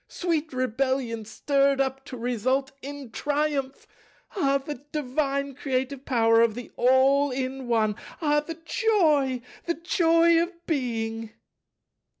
Sweet rebellion stirred up to result in triumph! Ah, the divine creative power of the All in One! Ah, the joy, the joy of Being!"